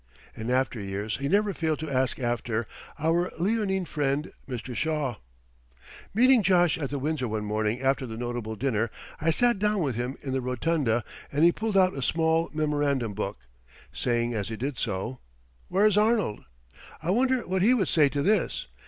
In after years he never failed to ask after "our leonine friend, Mr. Shaw." Meeting Josh at the Windsor one morning after the notable dinner I sat down with him in the rotunda and he pulled out a small memorandum book, saying as he did so: "Where's Arnold? I wonder what he would say to this.